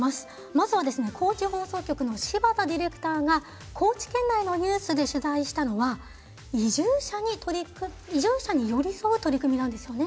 まずは高知放送局の柴田ディレクターが高知県内のニュースで取材したのは移住者に寄り添う取り組みなんですよね。